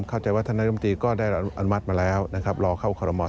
เข้าใจว่าท่านนักยอมตีก็ได้อนุมัติมาแล้วรอเข้าขอรมศ์